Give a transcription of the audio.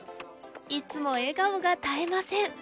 いつも笑顔が絶えません。